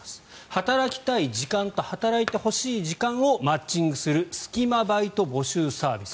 働きたい時間と働いてほしい時間をマッチングする隙間バイト募集サービス。